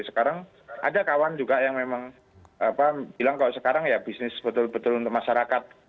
sekarang ada kawan juga yang memang bilang kalau sekarang ya bisnis betul betul untuk masyarakat